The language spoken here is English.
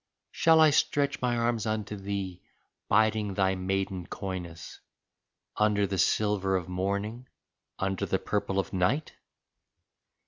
Shall I stretch my arms unto thee, biding thy maiden coyness, Under the silver of morning, under the purple of night